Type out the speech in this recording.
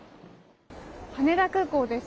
羽田空港です。